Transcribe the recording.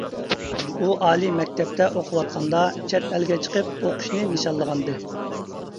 ئۇ ئالىي مەكتەپتە ئوقۇۋاتقاندا چەت ئەلگە چىقىپ ئوقۇشنى نىشانلىغانىدى.